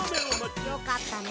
よかったね。